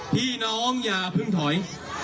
พี่น้องอย่าเพิ่งถอย